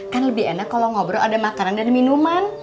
kan lebih enak kalau ngobrol ada makanan dan minuman